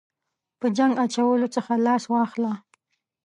په جنګ اچولو څخه لاس واخله.